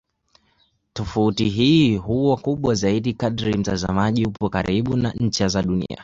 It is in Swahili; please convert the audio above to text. Tofauti hii huwa kubwa zaidi kadri mtazamaji yupo karibu na ncha za Dunia.